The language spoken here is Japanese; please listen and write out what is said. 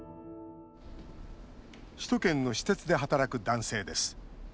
首都圏の私鉄で働く男性です。